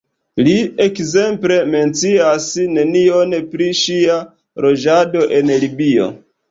Li, ekzemple, mencias nenion pri ŝia loĝado en Libio.